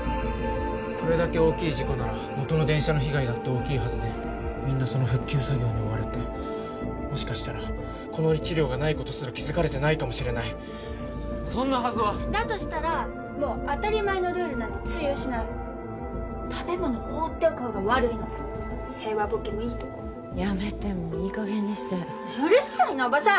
これだけ大きい事故ならもとの電車の被害だって大きいはずでみんなその復旧作業に追われてもしかしたらこの１両がないことすら気づかれてないかもしれないそんなはずはだとしたらもう当たり前のルールなんて通用しない食べ物放っておくほうが悪いの平和ボケもいいとこやめてもういい加減にしてうるさいなおばさん！